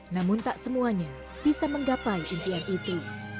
namun tak semuanya bisa menggapai impian itu